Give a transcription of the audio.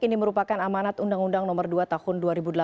ini merupakan amanat undang undang nomor dua tahun dua ribu delapan belas